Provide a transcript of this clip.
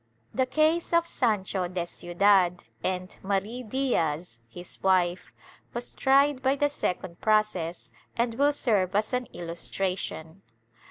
The case of Sancho de Ciudad and Mari Diaz his wife, was tried by the second process and will serve as an illustration.